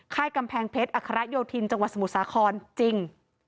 กำแพงเพชรอัคระโยธินจังหวัดสมุทรสาครจริง